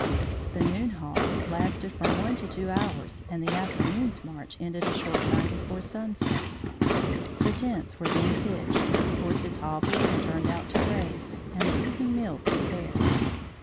The noon halt lasted from one to two hours and the afternoon's march ended a short time before sunset. The tents were then pitched, horses hobbled and turned out to graze, and the evening meal prepared.